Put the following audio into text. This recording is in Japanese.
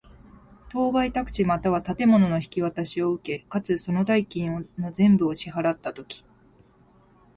当該宅地又は建物の引渡しを受け、かつ、その代金の全部を支払つたとき。